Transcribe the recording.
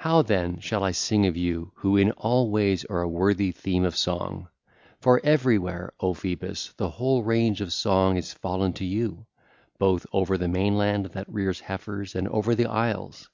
(ll. 19 29) How, then, shall I sing of you who in all ways are a worthy theme of song? For everywhere, O Phoebus, the whole range of song is fallen to you, both over the mainland that rears heifers and over the isles.